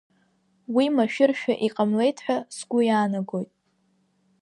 Уи машәыршәа иҟамлеит ҳәа сгәы иаанагоит.